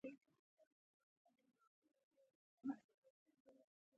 ازادي راډیو د د ماشومانو حقونه پرمختګ او شاتګ پرتله کړی.